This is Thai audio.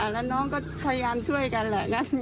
แล้วน้องก็พยายามช่วยกันแหละ